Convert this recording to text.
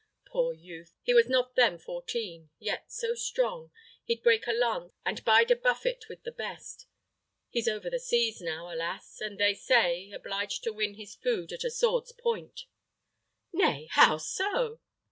Poor youth! he was not then fourteen, yet so strong, he'd break a lance and bide a buffet with the best. He's over the seas now, alas! and they say, obliged to win his food at the sword's point." "Nay, how so?"